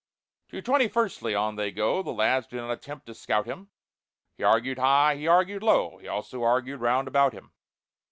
To "Twenty firstly" on they go, The lads do not attempt to scout him; He argued high, he argued low, He also argued round about him.